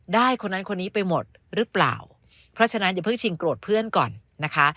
คนนั้นคนนี้ไปหมดหรือเปล่าเพราะฉะนั้นอย่าเพิ่งชิงโกรธเพื่อนก่อนนะคะ